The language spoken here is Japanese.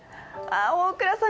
大倉さん